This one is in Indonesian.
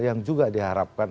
yang juga diharapkan